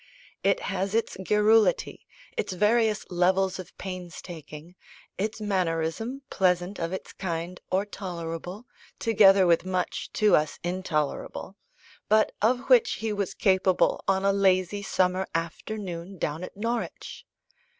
It has its garrulity, its various levels of painstaking, its mannerism, pleasant of its kind or tolerable, together with much, to us intolerable, but of which he was capable on a lazy summer afternoon down at Norwich.